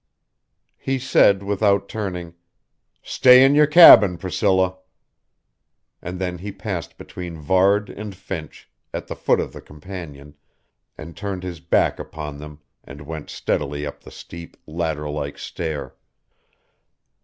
He said, without turning: "Stay in your cabin, Priscilla." And then he passed between Varde and Finch, at the foot of the companion, and turned his back upon them and went steadily up the steep, ladder like stair.